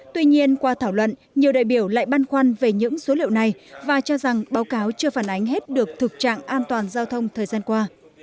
tuy nhiên qua thảo luận nhiều đại biểu lại băn khoăn về những số liệu này và cho rằng báo cáo chưa phản ánh hết được thực trạng an toàn giao thông thời gian qua